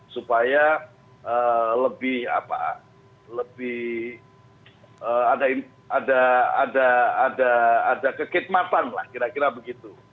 supaya lebih ada kekhidmatan lah kira kira begitu